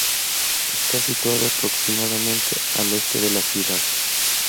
Está situado a aproximadamente al este de la ciudad.